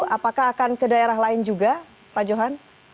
apakah akan ke daerah lain juga pak johan